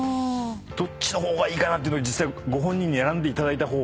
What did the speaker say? どっちの方がいいかなっての実際ご本人に選んでいただいた方が。